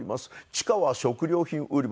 地下は食料品売り場。